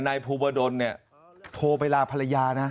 นายภูวดลเนี่ยโทรไปลาภรรยานะ